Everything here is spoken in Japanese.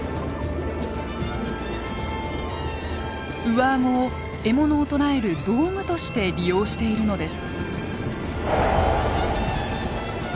上顎を獲物を捕らえる道具として利用しているのです。